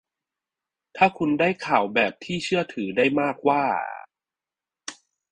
ถ้าคุณได้ข่าวแบบที่เชื่อถือได้มากว่า